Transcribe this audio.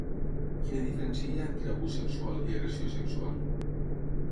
Quina diferència hi ha entre ‘abús sexual’ i ‘agressió sexual’?